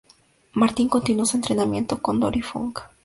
Martin continuó su entrenamiento con Dory Funk Jr.